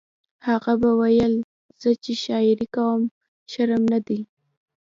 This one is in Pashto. هغه به ویل زه چې شاعري کوم شرم نه دی